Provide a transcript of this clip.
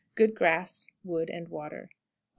Good grass, wood, and water. 180.